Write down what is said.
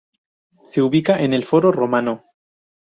Se ubicaba en el Foro Romano.